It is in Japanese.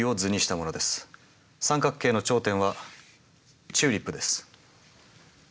三角形の頂点はチューリップです。